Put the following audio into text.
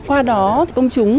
qua đó công chúng